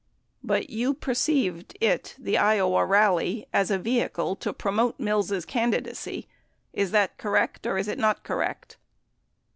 But you perceived it (the Iowa rally) as a ve hicle to promote Mills' candidacy? Is that correct, or is it not correct